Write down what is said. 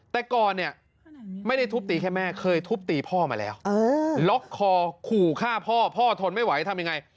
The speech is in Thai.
แต่ก่อนเนี่ยไม่ได้ทุบตีแค่แม่เคยทุบตีพ่อมาแล้วล็อกคอขู่ฆ่าพ่อพ่อทนไม่ไหวทำยังไง